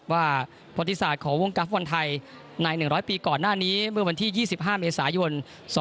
ว่าประวัติศาสตร์ของวงการฟุตบอลไทยใน๑๐๐ปีก่อนหน้านี้เมื่อวันที่๒๕เมษายน๒๕๖